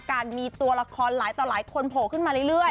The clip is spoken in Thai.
การมีตัวละครหลายคนโผล่ขึ้นมาเรื่อย